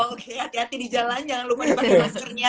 oke hati hati di jalan jangan lupa di pandang masernya